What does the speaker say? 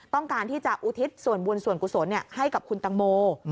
ต้องการที่จะอุทิศส่วนบุญส่วนกุศลให้กับคุณตังโม